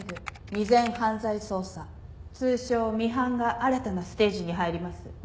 未然犯罪捜査通称ミハンが新たなステージに入ります。